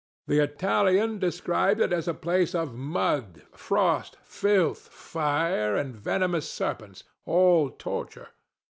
The Italian described it as a place of mud, frost, filth, fire, and venomous serpents: all torture.